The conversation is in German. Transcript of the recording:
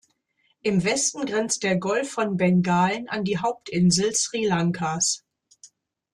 Im Westen grenzt der Golf von Bengalen an die Hauptinsel Sri Lankas.